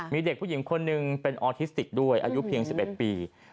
มีเด็กผู้หญิงคนหนึ่งเป็นออทิสติกด้วยอายุเพียง๑๑ปี